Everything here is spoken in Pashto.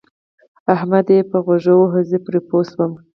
احمد يې په غوږ وواهه زه پرې پوه شوم.